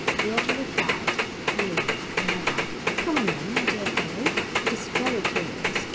The other replied: "No, never." "Come on then, my dear fellow it is very curious."